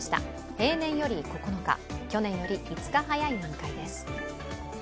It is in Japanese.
平年より９日、去年より５日早い満開です。